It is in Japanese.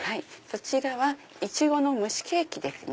そちらはイチゴの蒸しケーキですね。